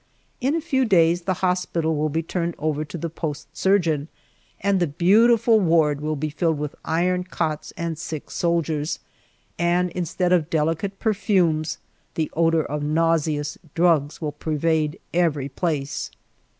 In a few days the hospital will be turned over to the post surgeon, and the beautiful ward will be filled with iron cots and sick soldiers, and instead of delicate perfumes, the odor of nauseous drugs will pervade every place.